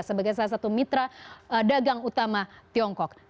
sebagai salah satu mitra dagang utama tiongkok